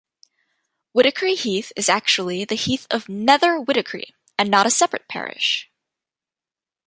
Whitacre Heath is actually the heath of Nether Whitacre and not a separate parish.